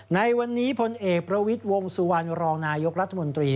ในวันนี้พลเอกประวิทย์วงสุวรรณรองนายกรัฐมนตรี